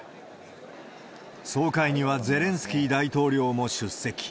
総会にはゼレンスキー大統領も出席。